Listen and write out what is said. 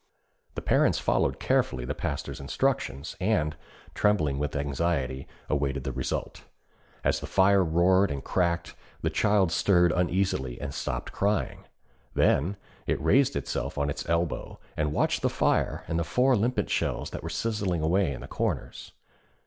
The parents followed carefully the Pastor's instructions, and, trembling with anxiety, awaited the result. As the fire roared and crackled, the child stirred uneasily and stopped crying. Then it raised itself on its elbow and watched the fire and the four limpet shells that were sizzling away in the corners.